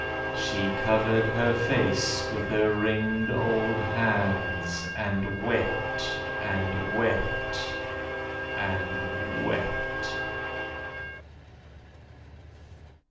She covered her face with her ringed old hands, and wept and wept and wept.